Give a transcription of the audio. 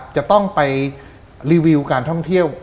จะต้องไปรีวิวการท่องเที่ยว